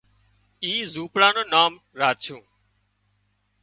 اي زونپڙا نُون نام راڇُون